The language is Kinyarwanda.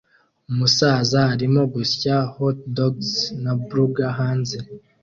Umusaza arimo gusya hotdogs na burger hanze